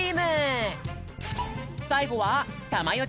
さいごはたまよ